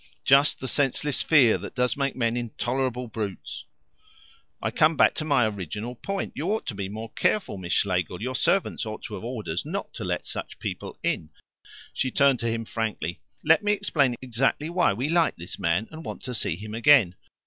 Just the senseless fear that does make men intolerable brutes." "I come back to my original point. You ought to be more careful, Miss Schlegel. Your servants ought to have orders not to let such people in." She turned to him frankly. "Let me explain exactly why we like this man, and want to see him again."